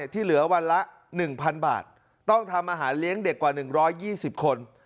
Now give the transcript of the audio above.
ที่เหลือวันละหนึ่งพันบาทต้องทำอาหารเลี้ยงเด็กกว่าหนึ่งร้อยยี่สิบคน